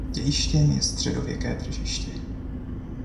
Dějištěm je středověké tržiště.